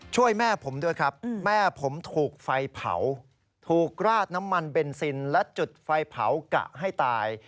ช่วยแม่ผมด้วยครับแม่ผมถูกไฟเผาถูกราดน้ำมันเบนซินและจุดไฟเผากะให้ตาย